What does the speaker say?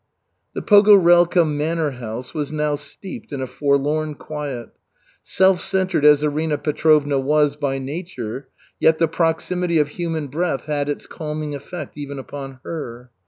The Pogorelka manor house was now steeped in a forlorn quiet. Self centered as Arina Petrovna was by nature, yet the proximity of human breath had its calming effect even upon her.